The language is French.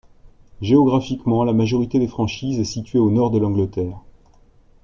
Géographiquement, la majorité des franchises est située au Nord de l'Angleterre.